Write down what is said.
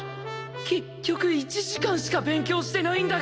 結局１時間しか勉強してないんだが！？